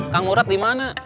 kang murad di mana